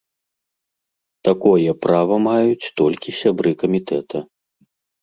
Такое права маюць толькі сябры камітэта.